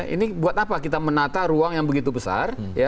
ini buat apa kita menata ruang yang begitu besar